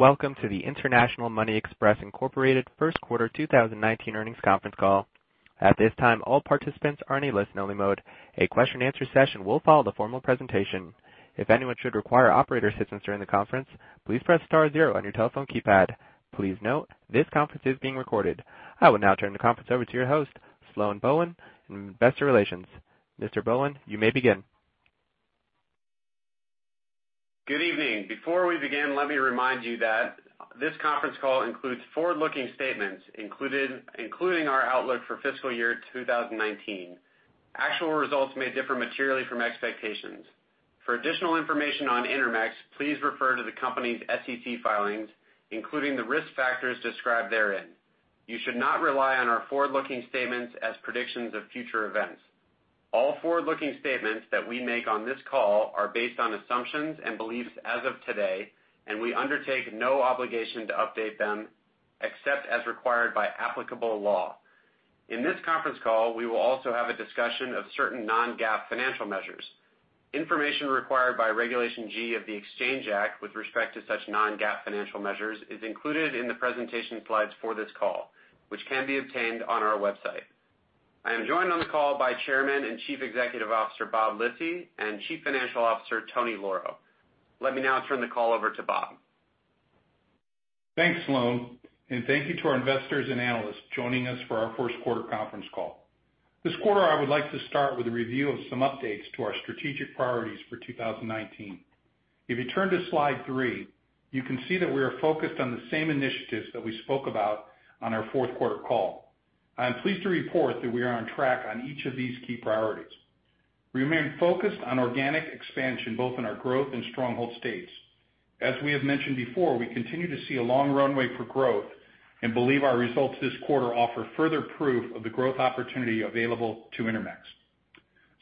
Welcome to the International Money Express, Inc. first quarter 2019 earnings conference call. At this time, all participants are in a listen-only mode. A question and answer session will follow the formal presentation. If anyone should require operator assistance during the conference, please press star zero on your telephone keypad. Please note, this conference is being recorded. I will now turn the conference over to your host, Sloan Bowen, investor relations. Mr. Bowen, you may begin. Good evening. Before we begin, let me remind you that this conference call includes forward-looking statements, including our outlook for fiscal year 2019. Actual results may differ materially from expectations. For additional information on Intermex, please refer to the company's SEC filings, including the risk factors described therein. You should not rely on our forward-looking statements as predictions of future events. All forward-looking statements that we make on this call are based on assumptions and beliefs as of today. We undertake no obligation to update them except as required by applicable law. In this conference call, we will also have a discussion of certain non-GAAP financial measures. Information required by Regulation G of the Exchange Act with respect to such non-GAAP financial measures is included in the presentation slides for this call, which can be obtained on our website. I am joined on the call by Chairman and Chief Executive Officer, Bob Lisy, and Chief Financial Officer, Tony Lauro. Let me now turn the call over to Bob. Thanks, Sloan. Thank you to our investors and analysts joining us for our first quarter conference call. This quarter, I would like to start with a review of some updates to our strategic priorities for 2019. If you turn to slide three, you can see that we are focused on the same initiatives that we spoke about on our fourth quarter call. I am pleased to report that we are on track on each of these key priorities. We remain focused on organic expansion, both in our growth and stronghold states. As we have mentioned before, we continue to see a long runway for growth and believe our results this quarter offer further proof of the growth opportunity available to Intermex.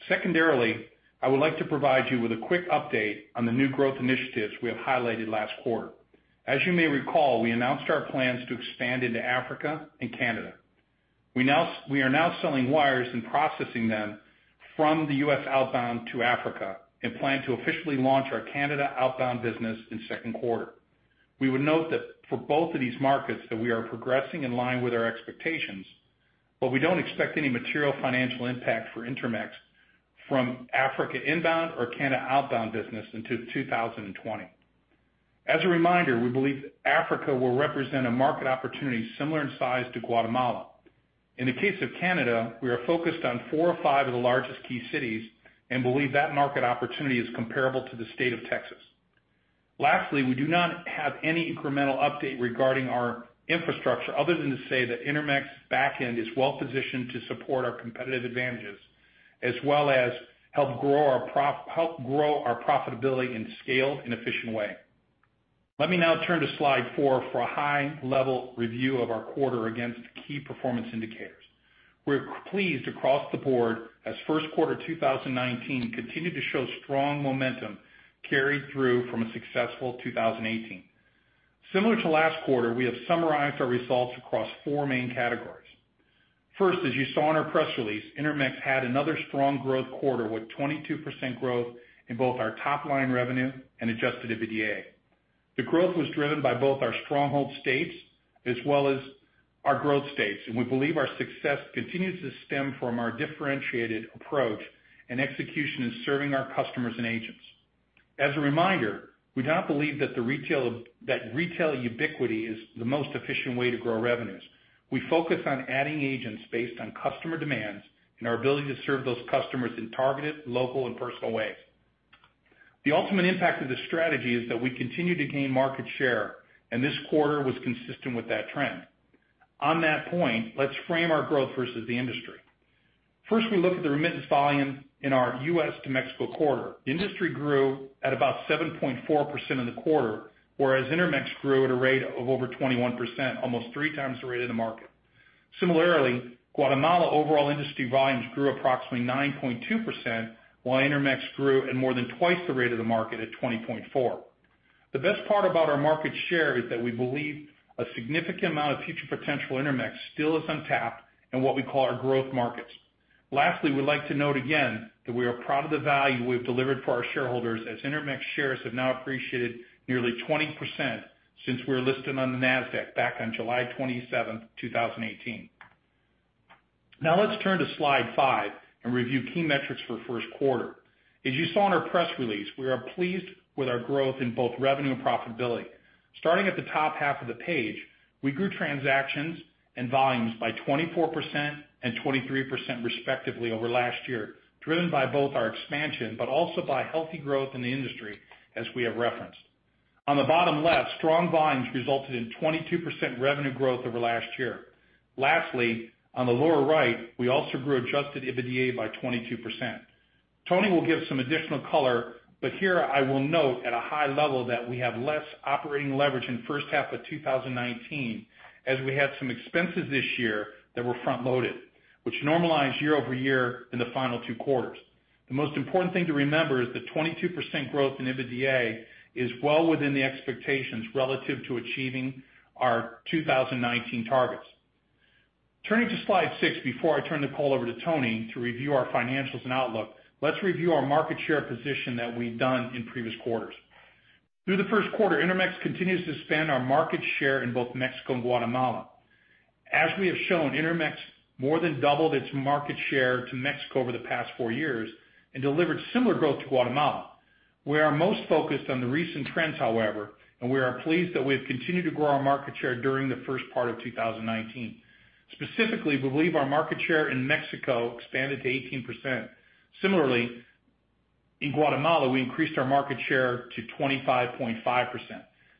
Secondarily, I would like to provide you with a quick update on the new growth initiatives we have highlighted last quarter. As you may recall, we announced our plans to expand into Africa and Canada. We are now selling wires and processing them from the U.S. outbound to Africa and plan to officially launch our Canada outbound business in second quarter. We would note that for both of these markets, that we are progressing in line with our expectations, but we don't expect any material financial impact for Intermex from Africa inbound or Canada outbound business until 2020. As a reminder, we believe Africa will represent a market opportunity similar in size to Guatemala. In the case of Canada, we are focused on four or five of the largest key cities and believe that market opportunity is comparable to the state of Texas. Lastly, we do not have any incremental update regarding our infrastructure other than to say that Intermex backend is well-positioned to support our competitive advantages as well as help grow our profitability and scale in efficient way. Let me now turn to slide four for a high-level review of our quarter against key performance indicators. We're pleased across the board as first quarter 2019 continued to show strong momentum carried through from a successful 2018. Similar to last quarter, we have summarized our results across four main categories. First, as you saw in our press release, Intermex had another strong growth quarter with 22% growth in both our top-line revenue and adjusted EBITDA. The growth was driven by both our stronghold states as well as our growth states. We believe our success continues to stem from our differentiated approach and execution in serving our customers and agents. As a reminder, we do not believe that retail ubiquity is the most efficient way to grow revenues. We focus on adding agents based on customer demands and our ability to serve those customers in targeted, local, and personal ways. The ultimate impact of this strategy is that we continue to gain market share, and this quarter was consistent with that trend. On that point, let's frame our growth versus the industry. First, we look at the remittance volume in our U.S. to Mexico corridor. The industry grew at about 7.4% in the quarter, whereas Intermex grew at a rate of over 21%, almost three times the rate of the market. Similarly, Guatemala overall industry volumes grew approximately 9.2%, while Intermex grew at more than twice the rate of the market at 20.4%. The best part about our market share is that we believe a significant amount of future potential Intermex still is untapped in what we call our growth markets. Lastly, we'd like to note again that we are proud of the value we've delivered for our shareholders as Intermex shares have now appreciated nearly 20% since we were listed on the Nasdaq back on July 27th, 2018. Let's turn to slide five and review key metrics for first quarter. As you saw in our press release, we are pleased with our growth in both revenue and profitability. Starting at the top half of the page, we grew transactions and volumes by 24% and 23% respectively over last year, driven by both our expansion but also by healthy growth in the industry, as we have referenced. On the bottom left, strong volumes resulted in 22% revenue growth over last year. Lastly, on the lower right, we also grew adjusted EBITDA by 22%. Tony will give some additional color, but here I will note at a high level that we have less operating leverage in first half of 2019 as we had some expenses this year that were front-loaded, which normalize year-over-year in the final two quarters. The most important thing to remember is the 22% growth in EBITDA is well within the expectations relative to achieving our 2019 targets. Turning to slide six before I turn the call over to Tony to review our financials and outlook, let's review our market share position that we've done in previous quarters. Through the first quarter, Intermex continues to expand our market share in both Mexico and Guatemala. As we have shown, Intermex more than doubled its market share to Mexico over the past four years and delivered similar growth to Guatemala. We are most focused on the recent trends, however, we are pleased that we have continued to grow our market share during the first part of 2019. Specifically, we believe our market share in Mexico expanded to 18%. Similarly, in Guatemala, we increased our market share to 25.5%.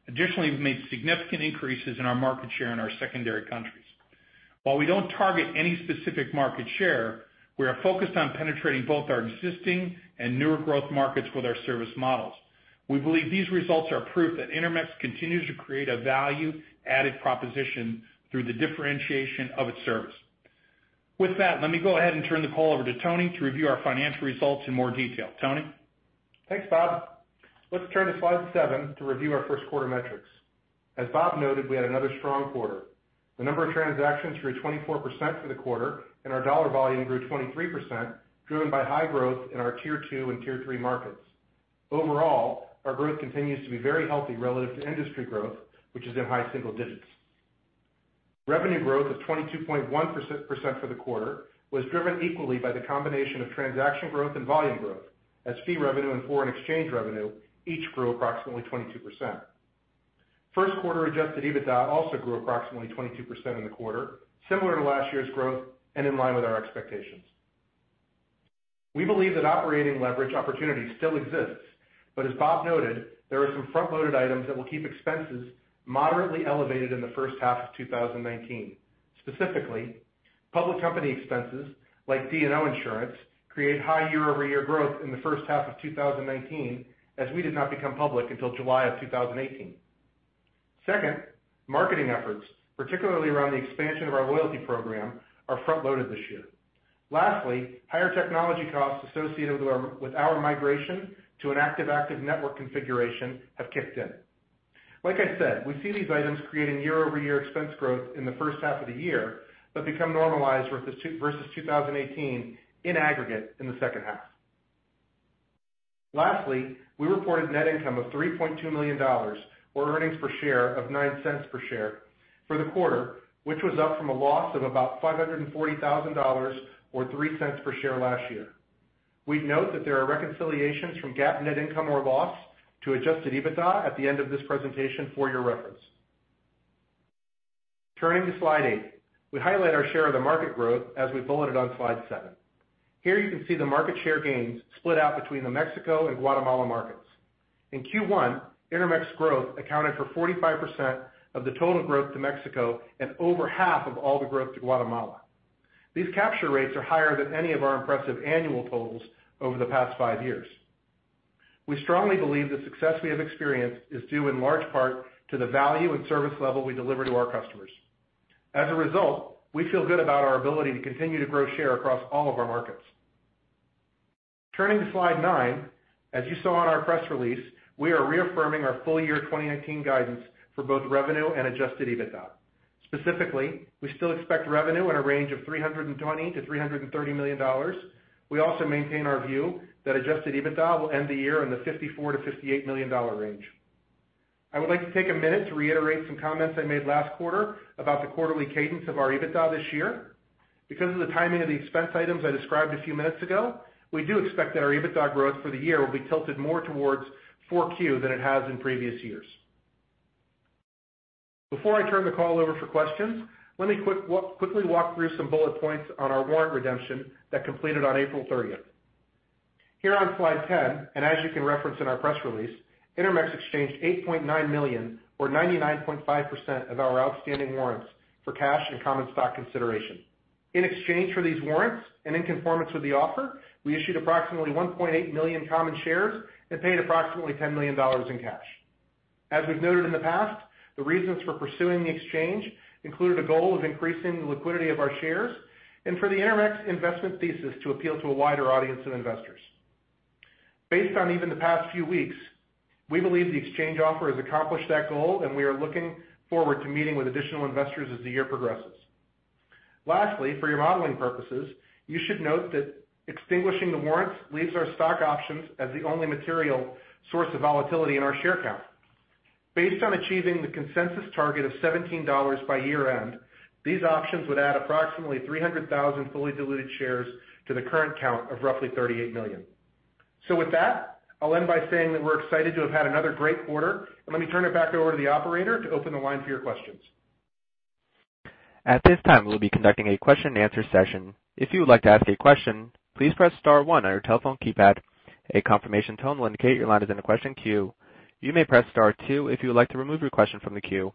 Additionally, we've made significant increases in our market share in our secondary countries. While we don't target any specific market share, we are focused on penetrating both our existing and newer growth markets with our service models. We believe these results are proof that Intermex continues to create a value-added proposition through the differentiation of its service. With that, let me go ahead and turn the call over to Tony to review our financial results in more detail. Tony? Thanks, Bob. Let's turn to slide seven to review our first quarter metrics. As Bob noted, we had another strong quarter. The number of transactions grew 24% for the quarter, and our dollar volume grew 23%, driven by high growth in our tier 2 and tier 3 markets. Overall, our growth continues to be very healthy relative to industry growth, which is in high single digits. Revenue growth of 22.1% for the quarter was driven equally by the combination of transaction growth and volume growth, as fee revenue and foreign exchange revenue each grew approximately 22%. First quarter adjusted EBITDA also grew approximately 22% in the quarter, similar to last year's growth and in line with our expectations. We believe that operating leverage opportunity still exists, but as Bob noted, there are some front-loaded items that will keep expenses moderately elevated in the first half of 2019. Specifically, public company expenses like D&O insurance create high year-over-year growth in the first half of 2019, as we did not become public until July of 2018. Second, marketing efforts, particularly around the expansion of our loyalty program, are front-loaded this year. Lastly, higher technology costs associated with our migration to an active-active network configuration have kicked in. Like I said, we see these items creating year-over-year expense growth in the first half of the year, but become normalized versus 2018 in aggregate in the second half. Lastly, we reported net income of $3.2 million, or earnings per share of $0.09 per share for the quarter, which was up from a loss of about $540,000, or $0.03 per share last year. We'd note that there are reconciliations from GAAP net income or loss to adjusted EBITDA at the end of this presentation for your reference. Turning to slide eight, we highlight our share of the market growth as we bulleted on slide seven. Here you can see the market share gains split out between the Mexico and Guatemala markets. In Q1, Intermex growth accounted for 45% of the total growth to Mexico and over half of all the growth to Guatemala. These capture rates are higher than any of our impressive annual totals over the past five years. We strongly believe the success we have experienced is due in large part to the value and service level we deliver to our customers. As a result, we feel good about our ability to continue to grow share across all of our markets. Turning to slide nine, as you saw in our press release, we are reaffirming our full year 2019 guidance for both revenue and adjusted EBITDA. Specifically, we still expect revenue in a range of $320 million-$330 million. We also maintain our view that adjusted EBITDA will end the year in the $54 million-$58 million range. I would like to take a minute to reiterate some comments I made last quarter about the quarterly cadence of our EBITDA this year. Because of the timing of the expense items I described a few minutes ago, we do expect that our EBITDA growth for the year will be tilted more towards 4Q than it has in previous years. Before I turn the call over for questions, let me quickly walk through some bullet points on our warrant redemption that completed on April 30th. Here on slide 10, and as you can reference in our press release, Intermex exchanged 8.9 million or 99.5% of our outstanding warrants for cash and common stock consideration. In exchange for these warrants and in conformance with the offer, we issued approximately 1.8 million common shares and paid approximately $10 million in cash. As we've noted in the past, the reasons for pursuing the exchange included a goal of increasing the liquidity of our shares and for the Intermex investment thesis to appeal to a wider audience of investors. Based on even the past few weeks, we believe the exchange offer has accomplished that goal, and we are looking forward to meeting with additional investors as the year progresses. Lastly, for your modeling purposes, you should note that extinguishing the warrants leaves our stock options as the only material source of volatility in our share count. Based on achieving the consensus target of $17 by year-end, these options would add approximately 300,000 fully diluted shares to the current count of roughly 38 million. With that, I'll end by saying that we're excited to have had another great quarter, and let me turn it back over to the operator to open the line for your questions. At this time, we'll be conducting a question and answer session. If you would like to ask a question, please press star one on your telephone keypad. A confirmation tone will indicate your line is in the question queue. You may press star two if you would like to remove your question from the queue.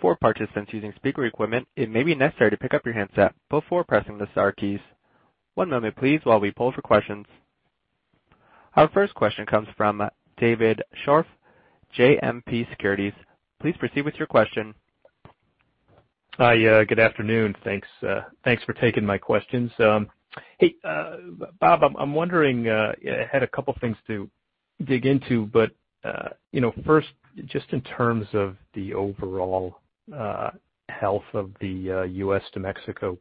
For participants using speaker equipment, it may be necessary to pick up your handset before pressing the star keys. One moment please while we poll for questions. Our first question comes from David Scharf, JMP Securities. Please proceed with your question. Hi, good afternoon. Thanks for taking my questions. Hey, Bob, I'm wondering, I had a couple things to dig into. First, just in terms of the overall health of the U.S. to Mexico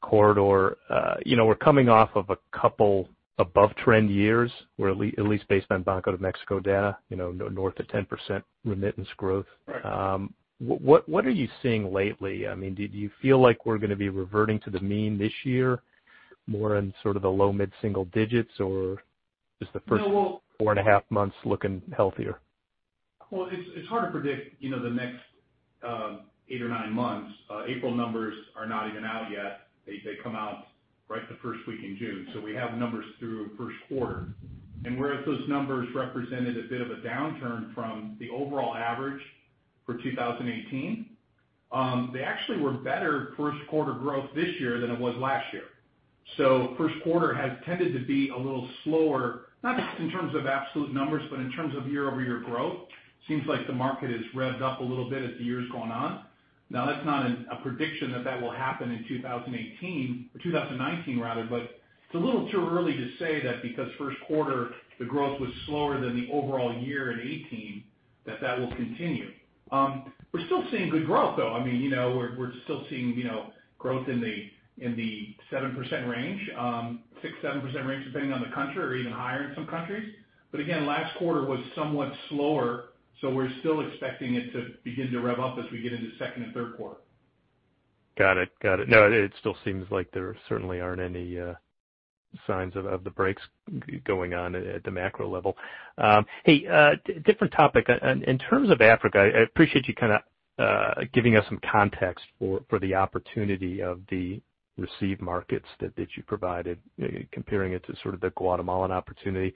corridor, we're coming off of a couple above-trend years, at least based on Banco de México data, north of 10% remittance growth. Right. What are you seeing lately? Do you feel like we're going to be reverting to the mean this year, more in sort of the low mid-single digits, or is the first four and a half months looking healthier? Well, it's hard to predict the next eight or nine months. April numbers are not even out yet. They come out right the first week in June. We have numbers through first quarter. Whereas those numbers represented a bit of a downturn from the overall average for 2018, they actually were better first quarter growth this year than it was last year. First quarter has tended to be a little slower, not in terms of absolute numbers, but in terms of year-over-year growth. Seems like the market has revved up a little bit as the year's gone on. That's not a prediction that will happen in 2018, or 2019 rather, but it's a little too early to say that because first quarter the growth was slower than the overall year in 2018, that will continue. We're still seeing good growth, though. We're still seeing growth in the 7% range, 6%-7% range, depending on the country, or even higher in some countries. Again, last quarter was somewhat slower, we're still expecting it to begin to rev up as we get into second and third quarter. Got it. No, it still seems like there certainly aren't any signs of the breaks going on at the macro level. Hey, different topic. In terms of Africa, I appreciate you kind of giving us some context for the opportunity of the receive markets that you provided, comparing it to sort of the Guatemalan opportunity.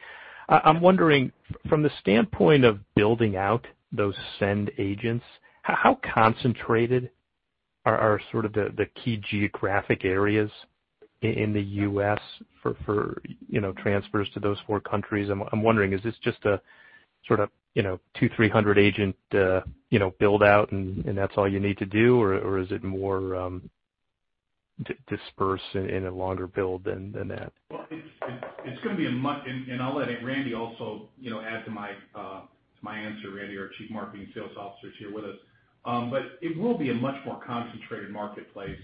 I'm wondering, from the standpoint of building out those send agents, how concentrated are sort of the key geographic areas in the U.S. for transfers to those four countries? I'm wondering, is this just a sort of 2, 300 agent build-out and that's all you need to do, or is it more dispersed in a longer build than that? Well, it's going to be a much. I'll let Randy also add to my answer. Randy, our Chief Marketing and Sales Officer, is here with us. It will be a much more concentrated marketplace.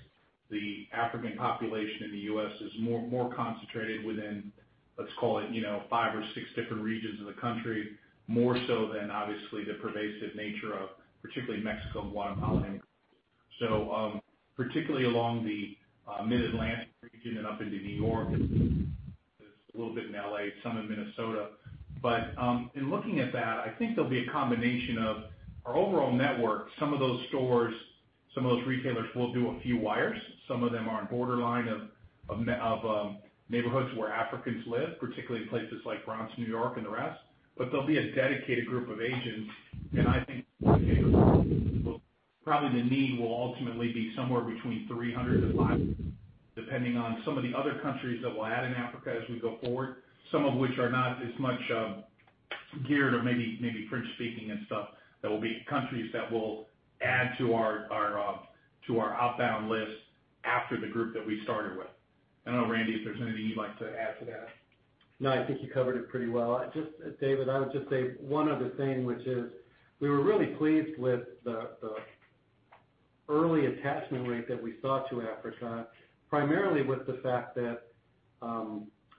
The African population in the U.S. is more concentrated within, let's call it five or six different regions of the country, more so than obviously the pervasive nature of particularly Mexico and Guatemala. Particularly along the Mid-Atlantic region and up into New York, there's a little bit in L.A., some in Minnesota. In looking at that, I think there'll be a combination of our overall network. Some of those stores, some of those retailers will do a few wires. Some of them are on borderline of neighborhoods where Africans live, particularly in places like Bronx, New York, and the rest. There'll be a dedicated group of agents, and I think probably the need will ultimately be somewhere between 300 and 500, depending on some of the other countries that we'll add in Africa as we go forward, some of which are not as much geared or maybe French-speaking and stuff. That will be countries that will add to our outbound list after the group that we started with. I don't know, Randy, if there's anything you'd like to add to that. No, I think you covered it pretty well. David, I would just say one other thing, which is we were really pleased with the early attachment rate that we saw to Africa, primarily with the fact that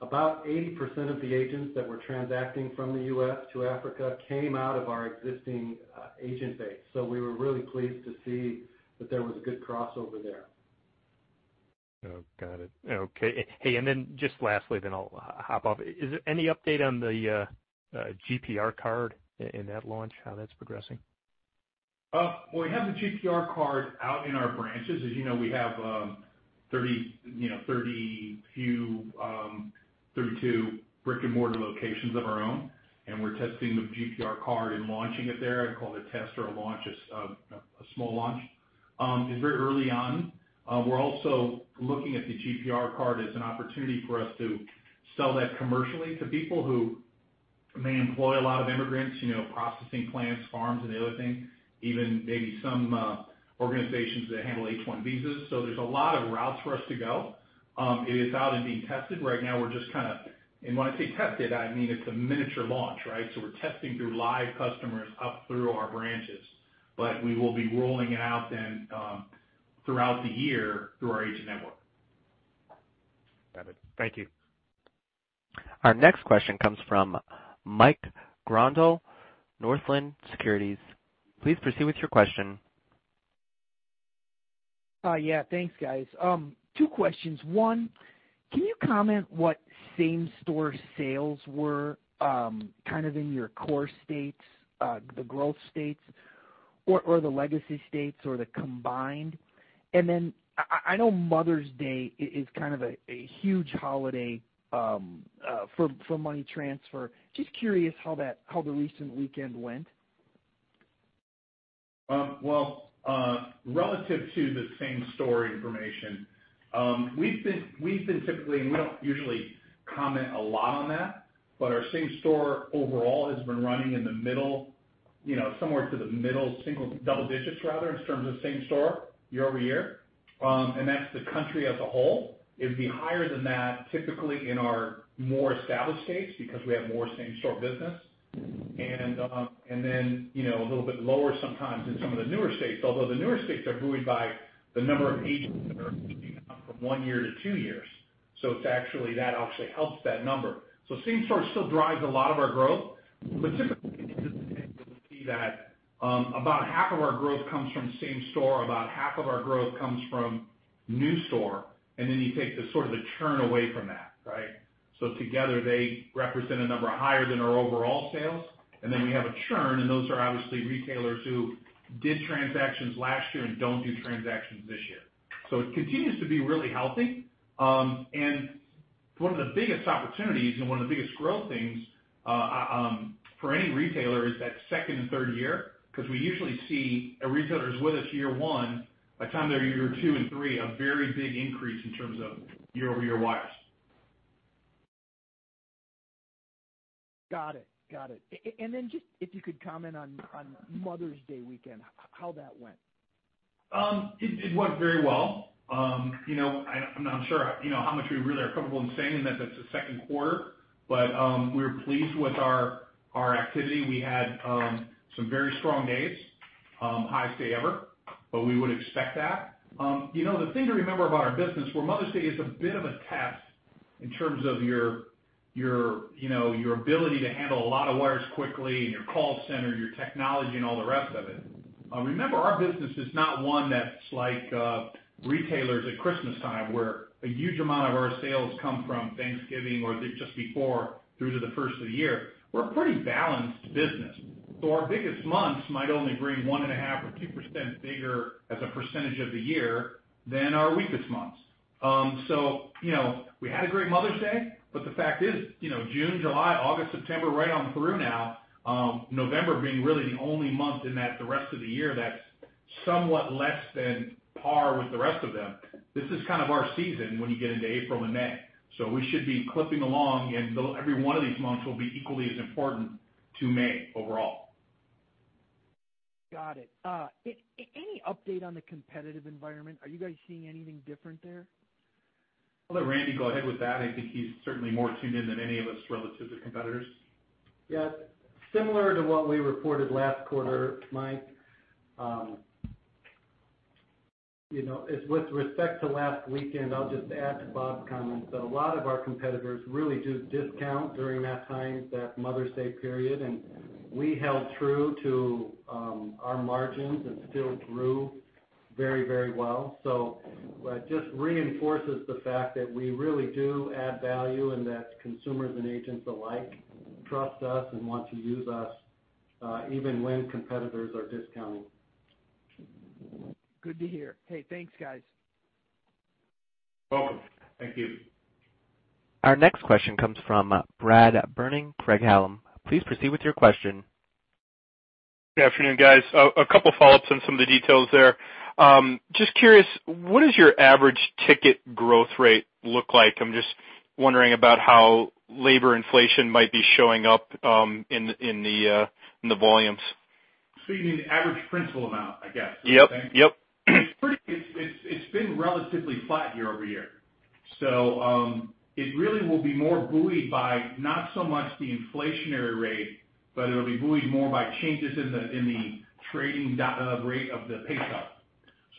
about 80% of the agents that were transacting from the U.S. to Africa came out of our existing agent base. We were really pleased to see that there was a good crossover there. Oh, got it. Okay. Just lastly, then I'll hop off. Is there any update on the GPR card and that launch, how that's progressing? Well, we have the GPR card out in our branches. As you know, we have 32 brick-and-mortar locations of our own, and we're testing the GPR card and launching it there. I'd call it a test or a launch, a small launch. It's very early on. We're also looking at the GPR card as an opportunity for us to sell that commercially to people who may employ a lot of immigrants, processing plants, farms, and the other thing, even maybe some organizations that handle H-1B visas. There's a lot of routes for us to go. It is out and being tested right now. When I say tested, I mean it's a miniature launch, right? We're testing through live customers up through our branches. We will be rolling it out then throughout the year through our agent network. Got it. Thank you. Our next question comes from Mike Grondahl, Northland Securities. Please proceed with your question. Yeah. Thanks, guys. Two questions. One, can you comment what same-store sales were kind of in your core states, the growth states or the legacy states or the combined? Then I know Mother's Day is kind of a huge holiday for money transfer. Just curious how the recent weekend went. Well, relative to the same-store information, we've been typically, and we don't usually comment a lot on that, but our same store overall has been running in the mid-single to the middle single, double digits rather, in terms of same store year-over-year. That's the country as a whole. It would be higher than that typically in our more established states because we have more same store business. Then a little bit lower sometimes in some of the newer states, although the newer states are buoyed by the number of agents that are from one year to two years. It's actually, that obviously helps that number. Same store still drives a lot of our growth, but typically, you'll see that about half of our growth comes from same store, about half of our growth comes from new store, and then you take the sort of the churn away from that, right? Together they represent a number higher than our overall sales. We have a churn, and those are obviously retailers who did transactions last year and don't do transactions this year. It continues to be really healthy. One of the biggest opportunities and one of the biggest growth things for any retailer is that second and third year, because we usually see a retailer who's with us year one, by the time they're year two and three, a very big increase in terms of year-over-year wires. Got it. Just if you could comment on Mother's Day weekend, how that went. It went very well. I'm not sure how much we really are comfortable in saying in that that's the second quarter. We're pleased with our activity. We had some very strong days, highest day ever, but we would expect that. The thing to remember about our business, where Mother's Day is a bit of a test in terms of your ability to handle a lot of wires quickly and your call center, your technology, and all the rest of it. Remember, our business is not one that's like retailers at Christmastime, where a huge amount of our sales come from Thanksgiving or just before through to the first of the year. We're a pretty balanced business, our biggest months might only bring 1.5% or 2% bigger as a percentage of the year than our weakest months. We had a great Mother's Day, but the fact is June, July, August, September, right on through now, November being really the only month in that, the rest of the year, that's somewhat less than par with the rest of them. This is kind of our season when you get into April and May. We should be clipping along and every one of these months will be equally as important to May overall. Got it. Any update on the competitive environment? Are you guys seeing anything different there? I'll let Randy go ahead with that. I think he's certainly more tuned in than any of us relative to competitors. Yeah. Similar to what we reported last quarter, Mike. With respect to last weekend, I'll just add to Bob's comments that a lot of our competitors really do discount during that time, that Mother's Day period, and we held true to our margins and still grew very well. It just reinforces the fact that we really do add value and that consumers and agents alike trust us and want to use us, even when competitors are discounting. Good to hear. Hey, thanks, guys. Welcome. Thank you. Our next question comes from Brad Berning, Craig-Hallum. Please proceed with your question. Good afternoon, guys. A couple follow-ups on some of the details there. Just curious, what does your average ticket growth rate look like? I'm just wondering about how labor inflation might be showing up in the volumes. You mean the average principal amount, I guess, is that right? Yep. It's been relatively flat year-over-year. It really will be more buoyed by not so much the inflationary rate, but it'll be buoyed more by changes in the trading rate of the peso.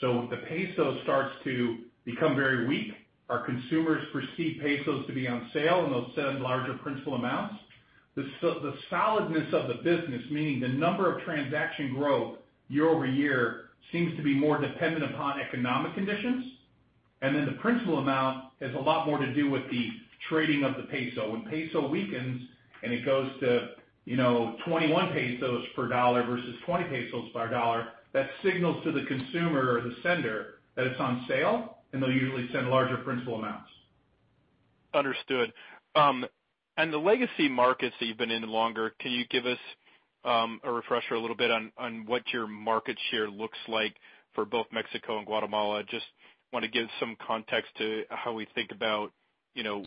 If the peso starts to become very weak, our consumers perceive pesos to be on sale, and they'll send larger principal amounts. The solidness of the business, meaning the number of transaction growth year-over-year, seems to be more dependent upon economic conditions. The principal amount has a lot more to do with the trading of the peso. When peso weakens and it goes to 21 pesos per dollar versus 20 pesos per dollar, that signals to the consumer or the sender that it's on sale, and they'll usually send larger principal amounts. Understood. The legacy markets that you've been in longer, can you give us a refresher a little bit on what your market share looks like for both Mexico and Guatemala? Just want to give some context to how we think about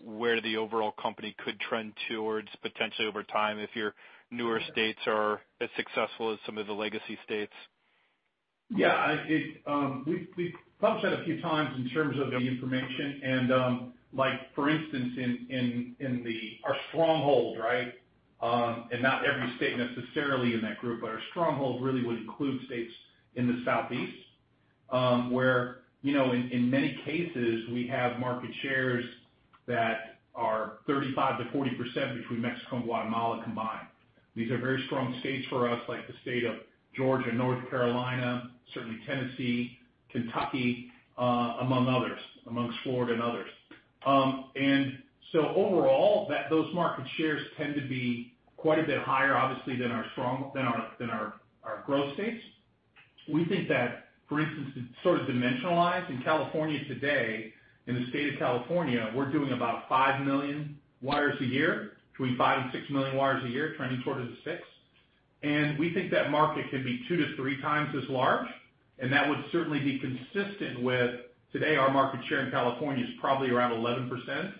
where the overall company could trend towards potentially over time if your newer states are as successful as some of the legacy states. Yeah. We've touched on it a few times in terms of the information and, for instance, in our stronghold, right? Not every state necessarily in that group, but our stronghold really would include states in the Southeast, where in many cases we have market shares that are 35%-40% between Mexico and Guatemala combined. These are very strong states for us, like the state of Georgia, North Carolina, certainly Tennessee, Kentucky, amongst Florida and others. Overall, those market shares tend to be quite a bit higher, obviously, than our growth states. We think that, for instance, to sort of dimensionalize in California today, in the state of California, we're doing about 5 million wires a year, between 5 and 6 million wires a year, trending towards the 6. We think that market could be 2 to 3 times as large, and that would certainly be consistent with today our market share in California is probably around 11%.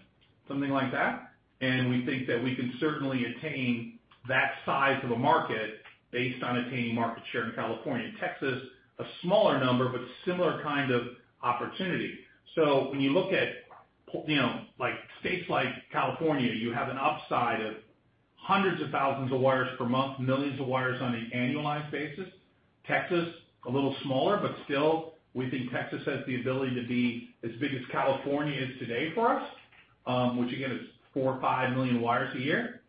Something like that. We think that we can certainly attain that size of a market based on attaining market share in California and Texas, a smaller number, but similar kind of opportunity. When you look at states like California, you have an upside of hundreds of thousands of wires per month, millions of wires on an annualized basis. Texas, a little smaller, but still, we think Texas has the ability to be as big as California is today for us, which again, is 4 or 5 million wires a year.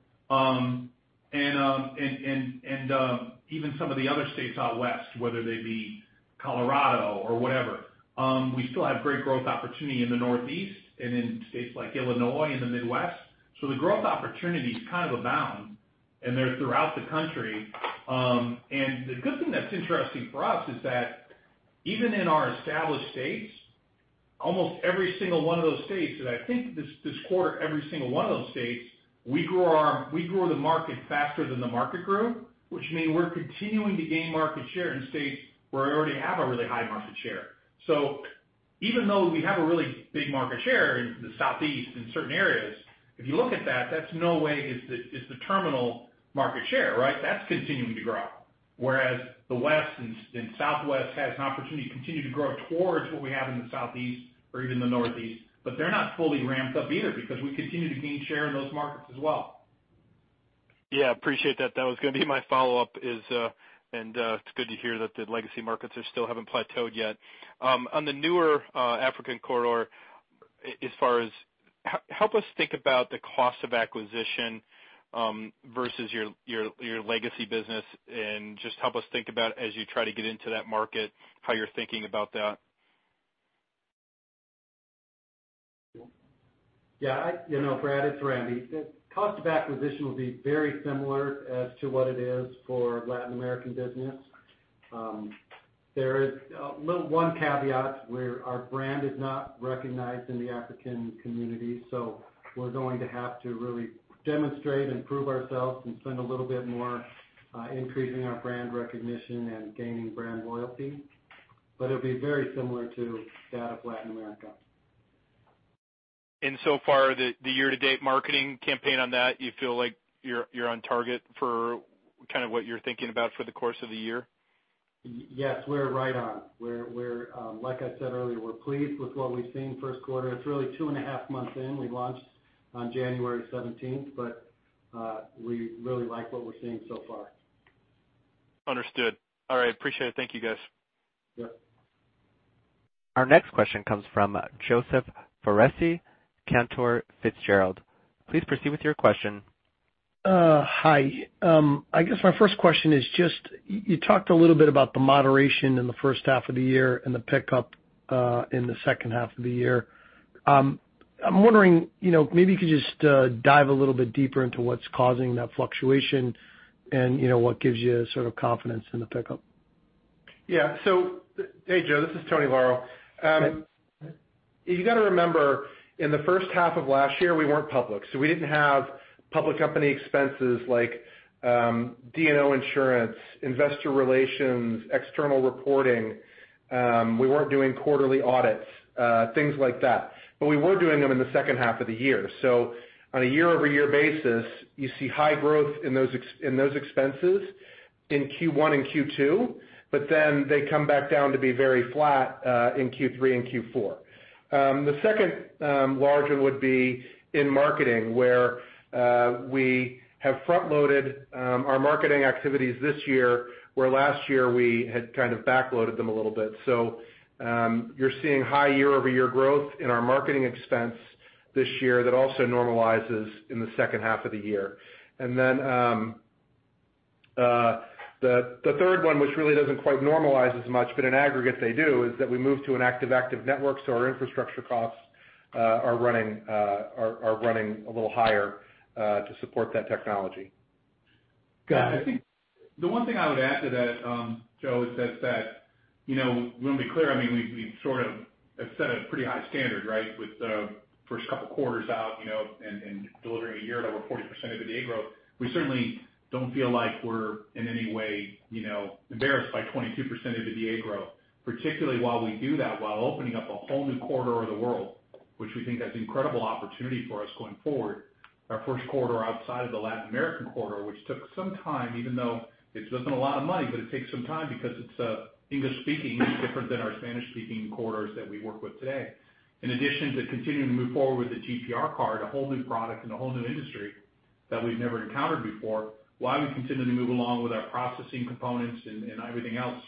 Even some of the other states out West, whether they be Colorado or whatever. We still have great growth opportunity in the Northeast and in states like Illinois and the Midwest. The growth opportunities kind of abound, and they're throughout the country. The good thing that's interesting for us is that even in our established states, almost every single one of those states that I think this quarter, every single one of those states, we grew the market faster than the market grew, which means we're continuing to gain market share in states where we already have a really high market share. Even though we have a really big market share in the Southeast in certain areas, if you look at that's no way is the terminal market share, right? That's continuing to grow. The West and Southwest has an opportunity to continue to grow towards what we have in the Southeast or even the Northeast, they're not fully ramped up either because we continue to gain share in those markets as well. Yeah, appreciate that. That was going to be my follow-up is, it's good to hear that the legacy markets are still haven't plateaued yet. On the newer African corridor, Help us think about the cost of acquisition versus your legacy business, just help us think about as you try to get into that market, how you're thinking about that. Yeah. Brad, it's Randy. The cost of acquisition will be very similar as to what it is for Latin American business. There is one caveat where our brand is not recognized in the African community, we're going to have to really demonstrate and prove ourselves and spend a little bit more increasing our brand recognition and gaining brand loyalty. It'll be very similar to that of Latin America. So far, the year-to-date marketing campaign on that, you feel like you're on target for kind of what you're thinking about for the course of the year? Yes, we're right on. Like I said earlier, we're pleased with what we've seen first quarter. It's really two and a half months in. We launched on January 17th, we really like what we're seeing so far. Understood. All right. Appreciate it. Thank you, guys. Yep. Our next question comes from Joseph Foresi, Cantor Fitzgerald. Please proceed with your question. Hi. I guess my first question is just, you talked a little bit about the moderation in the first half of the year and the pickup in the second half of the year. I'm wondering, maybe you could just dive a little bit deeper into what's causing that fluctuation and what gives you sort of confidence in the pickup. Yeah. Hey, Joe, this is Tony Lauro. You got to remember, in the first half of last year, we weren't public, so we didn't have public company expenses like D&O insurance, investor relations, external reporting. We weren't doing quarterly audits, things like that. We were doing them in the second half of the year. On a year-over-year basis, you see high growth in those expenses in Q1 and Q2, they come back down to be very flat in Q3 and Q4. The second larger would be in marketing, where we have front-loaded our marketing activities this year, where last year we had kind of back-loaded them a little bit. You're seeing high year-over-year growth in our marketing expense this year that also normalizes in the second half of the year. The third one, which really doesn't quite normalize as much, but in aggregate they do, is that we moved to an active-active network, our infrastructure costs are running a little higher to support that technology. Got It. I think the one thing I would add to that, Joe, is just that, we want to be clear, I mean, we've sort of have set a pretty high standard, right? With the first couple quarters out, and delivering a year at over 40% EBITDA growth. We certainly don't feel like we're in any way embarrassed by 22% EBITDA growth, particularly while we do that while opening up a whole new corridor of the world, which we think has incredible opportunity for us going forward. Our first corridor outside of the Latin American corridor, which took some time, even though it wasn't a lot of money, but it takes some time because it's English-speaking, which is different than our Spanish-speaking corridors that we work with today. In addition to continuing to move forward with the GPR card, a whole new product and a whole new industry that we've never encountered before, while we continue to move along with our processing components and everything else.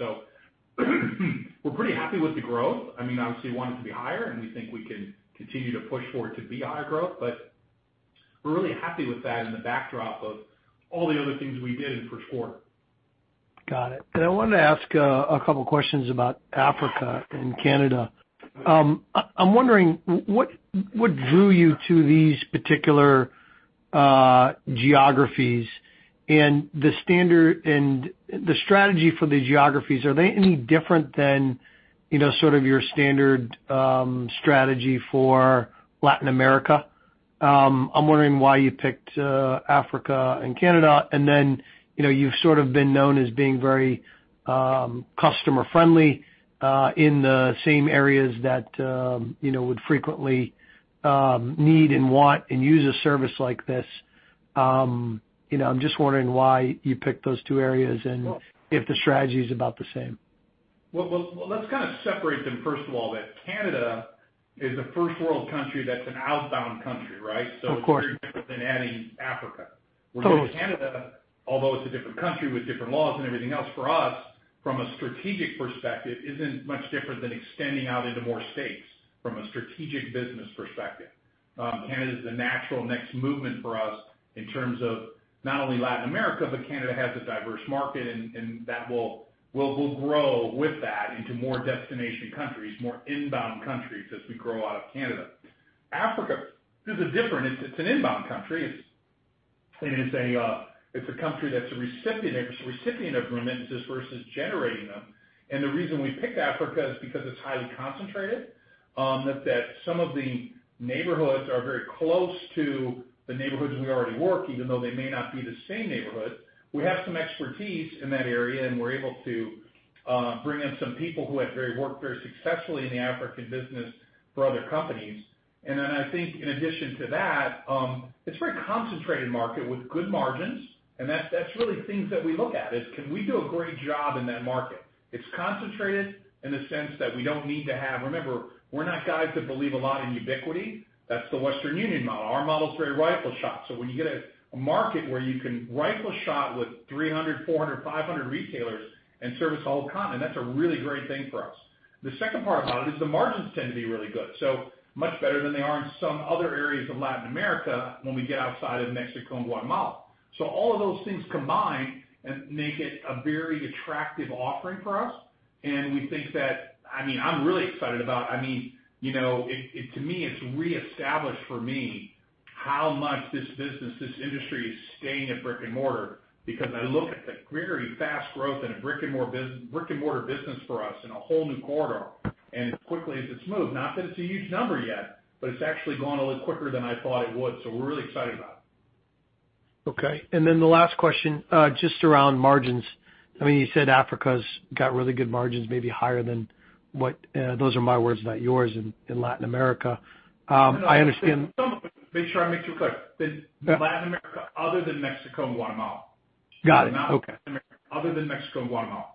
We're pretty happy with the growth. I mean, obviously we want it to be higher, and we think we can continue to push for it to be higher growth, but we're really happy with that in the backdrop of all the other things we did in the first quarter. Got it. I wanted to ask a couple questions about Africa and Canada. I'm wondering what drew you to these particular geographies and the strategy for the geographies, are they any different than sort of your standard strategy for Latin America? I'm wondering why you picked Africa and Canada, and then you've sort of been known as being very customer friendly in the same areas that would frequently need and want and use a service like this. I'm just wondering why you picked those two areas and if the strategy is about the same. Well, let's kind of separate them, first of all, that Canada is a first world country that's an outbound country, right? Of course. It's very different than adding Africa. Totally. Canada, although it's a different country with different laws and everything else, for us, from a strategic perspective, isn't much different than extending out into more states from a strategic business perspective. Canada is the natural next movement for us in terms of not only Latin America, Canada has a diverse market, and we'll grow with that into more destination countries, more inbound countries as we grow out of Canada. Africa is different. It's an inbound country. It's a country that's a recipient of remittances versus generating them. The reason we picked Africa is because it's highly concentrated, that some of the neighborhoods are very close to the neighborhoods we already work, even though they may not be the same neighborhood. We have some expertise in that area, we're able to bring in some people who have worked very successfully in the African business for other companies. I think in addition to that, it's a very concentrated market with good margins, that's really things that we look at is, can we do a great job in that market? It's concentrated in the sense that we don't need to have. Remember, we're not guys that believe a lot in ubiquity. That's the Western Union model. Our model is very rifle shot. When you get a market where you can rifle shot with 300, 400, 500 retailers and service the whole continent, that's a really great thing for us. The second part about it is the margins tend to be really good. Much better than they are in some other areas of Latin America when we get outside of Mexico and Guatemala. All of those things combined make it a very attractive offering for us. I'm really excited about. To me, it's reestablished for me how much this business, this industry is staying in brick-and-mortar because I look at the very fast growth in a brick-and-mortar business for us in a whole new corridor and quickly as it's moved. Not that it's a huge number yet, but it's actually going a little quicker than I thought it would. We're really excited about it. Okay. The last question, just around margins. You said Africa's got really good margins, maybe higher than what, those are my words, not yours, in Latin America. I understand Make sure I make you clear. Latin America, other than Mexico and Guatemala. Got it. Okay. Other than Mexico and Guatemala.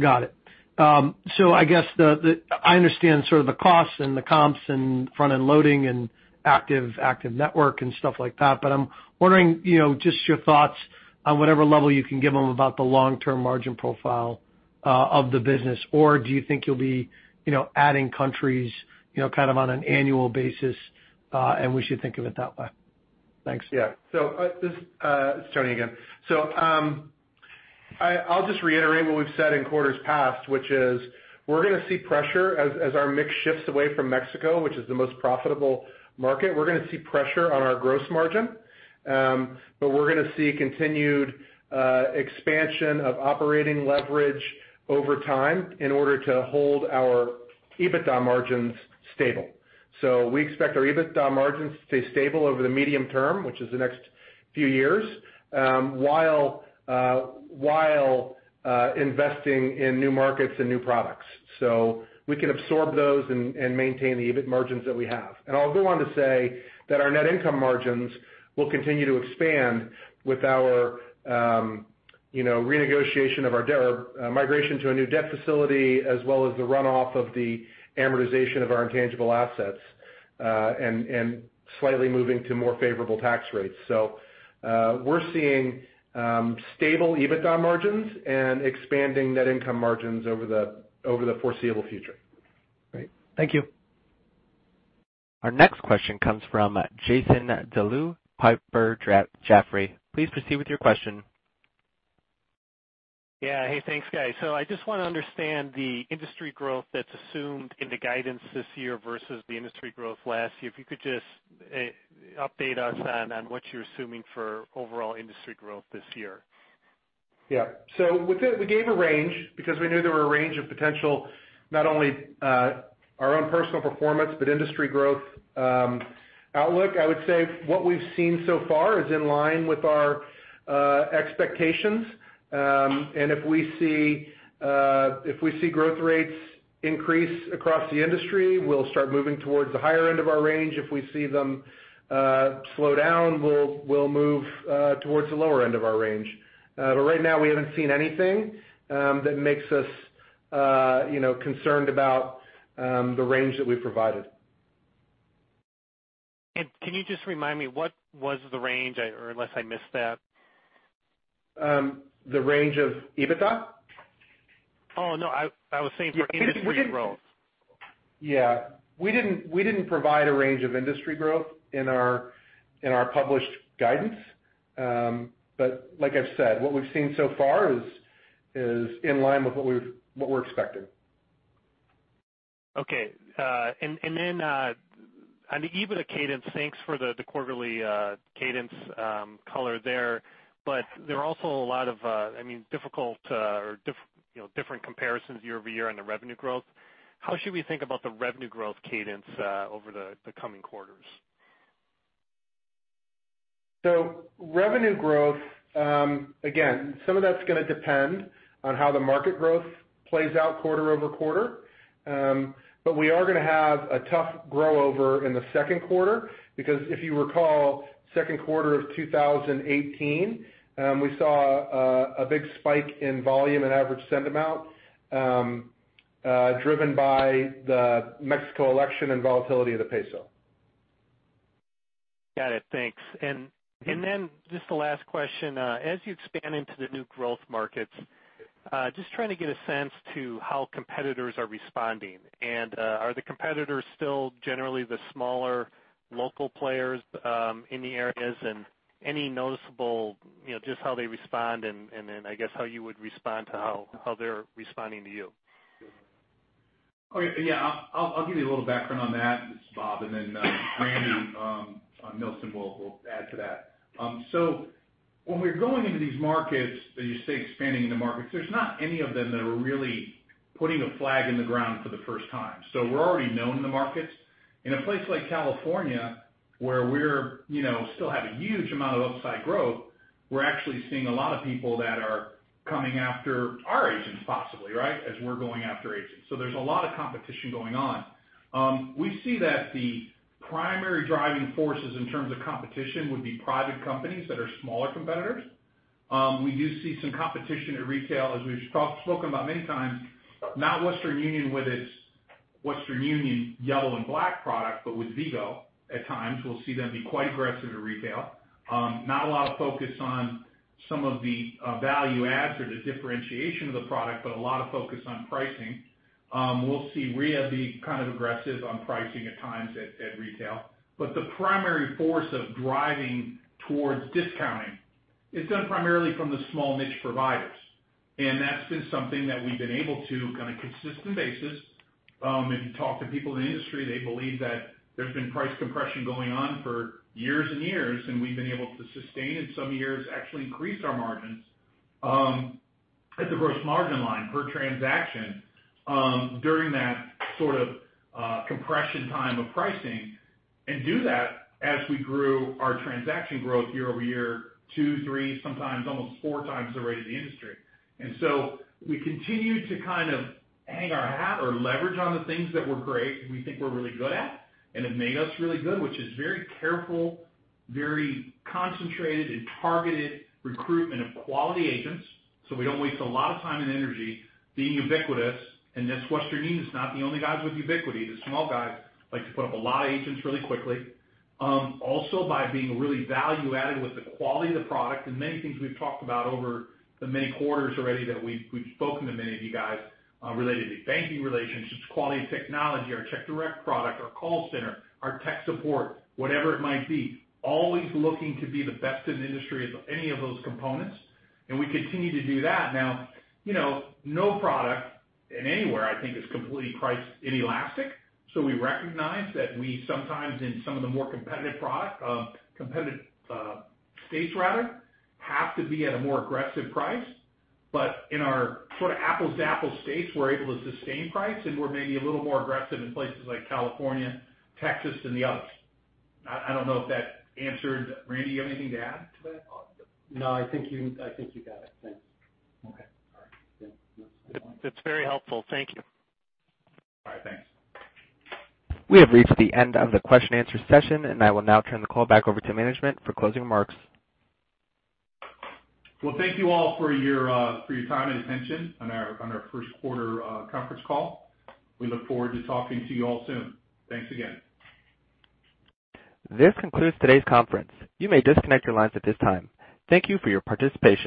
Got it. I guess I understand sort of the costs and the comps and front-end loading and active network and stuff like that, but I'm wondering just your thoughts on whatever level you can give them about the long-term margin profile of the business, or do you think you'll be adding countries kind of on an annual basis, and we should think of it that way? Thanks. Yeah. This is Tony again. I'll just reiterate what we've said in quarters past, which is we're going to see pressure as our mix shifts away from Mexico, which is the most profitable market. We're going to see pressure on our gross margin. We're going to see continued expansion of operating leverage over time in order to hold our EBITDA margins stable. We expect our EBITDA margins to stay stable over the medium term, which is the next few years, while investing in new markets and new products. We can absorb those and maintain the EBIT margins that we have. I'll go on to say that our net income margins will continue to expand with our migration to a new debt facility, as well as the runoff of the amortization of our intangible assets, and slightly moving to more favorable tax rates. We're seeing stable EBITDA margins and expanding net income margins over the foreseeable future. Great. Thank you. Our next question comes from Jason Deleeuw, Piper Jaffray. Please proceed with your question. Hey, thanks, guys. I just want to understand the industry growth that's assumed in the guidance this year versus the industry growth last year. If you could just update us on what you're assuming for overall industry growth this year. We gave a range because we knew there were a range of potential, not only our own personal performance, but industry growth outlook. I would say what we've seen so far is in line with our expectations. If we see growth rates increase across the industry, we'll start moving towards the higher end of our range. If we see them slow down, we'll move towards the lower end of our range. Right now, we haven't seen anything that makes us concerned about the range that we've provided. Can you just remind me what was the range, unless I missed that? The range of EBITDA? Oh, no, I was saying for industry growth. Yeah. We didn't provide a range of industry growth in our published guidance. Like I've said, what we've seen so far is in line with what we're expecting. Okay. On the EBITDA cadence, thanks for the quarterly cadence color there. There are also a lot of difficult or different comparisons year-over-year on the revenue growth. How should we think about the revenue growth cadence over the coming quarters? Revenue growth, again, some of that's going to depend on how the market growth plays out quarter-over-quarter. We are going to have a tough grow over in the second quarter, because if you recall, second quarter of 2018, we saw a big spike in volume and average send amount, driven by the Mexico election and volatility of the peso. Got it. Thanks. Just the last question, as you expand into the new growth markets, just trying to get a sense to how competitors are responding. Are the competitors still generally the smaller local players in the areas and any noticeable, just how they respond and then, I guess, how you would respond to how they're responding to you? Yeah. I'll give you a little background on that. This is Bob. Randy Nilsen will add to that. When we're going into these markets, as you say, expanding in the markets, there's not any of them that are really putting a flag in the ground for the first time. We're already known in the markets. In a place like California, where we still have a huge amount of upside growth, we're actually seeing a lot of people that are coming after our agents possibly, right? As we're going after agents. There's a lot of competition going on. We see that the primary driving forces in terms of competition would be private companies that are smaller competitors. We do see some competition at retail, as we've spoken about many times, not Western Union with its Western Union yellow and black product, but with Vigo at times, we'll see them be quite aggressive at retail. Not a lot of focus on some of the value adds or the differentiation of the product, but a lot of focus on pricing. We'll see Ria be kind of aggressive on pricing at times at retail. The primary force of driving towards discounting is done primarily from the small niche providers. That's been something that we've been able to, kind of consistent basis, if you talk to people in the industry, they believe that there's been price compression going on for years and years, and we've been able to sustain, in some years, actually increase our margins, at the gross margin line per transaction, during that sort of compression time of pricing, and do that as we grew our transaction growth year-over-year, two, three, sometimes almost four times the rate of the industry. We continue to kind of hang our hat or leverage on the things that we're great and we think we're really good at and have made us really good, which is very careful, very concentrated and targeted recruitment of quality agents. We don't waste a lot of time and energy being ubiquitous. Western Union is not the only guys with ubiquity. The small guys like to put up a lot of agents really quickly. Also by being really value-added with the quality of the product and many things we've talked about over the many quarters already that we've spoken to many of you guys, related to banking relationships, quality of technology, our Check Direct product, our call center, our tech support, whatever it might be, always looking to be the best in the industry of any of those components, and we continue to do that. No product anywhere, I think, is completely price inelastic. We recognize that we sometimes in some of the more competitive states have to be at a more aggressive price. In our sort of apples-to-apples states, we're able to sustain price, and we're maybe a little more aggressive in places like California, Texas, and the others. I don't know if that answered. Randy, you have anything to add to that? No, I think you got it. Thanks. Okay. All right. It's very helpful. Thank you. All right. Thanks. We have reached the end of the question and answer session, and I will now turn the call back over to management for closing remarks. Well, thank you all for your time and attention on our first quarter conference call. We look forward to talking to you all soon. Thanks again. This concludes today's conference. You may disconnect your lines at this time. Thank you for your participation.